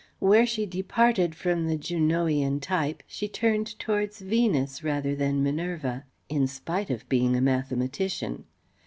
Where she departed from the Junonian type she turned towards Venus rather than Minerva; in spite of being a mathematician.